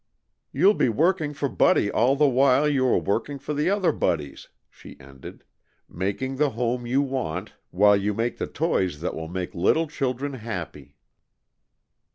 "You'll be working for Buddy all the while you are working for the other Buddys," she ended, "making the home you want while you make the toys that will make little children happy."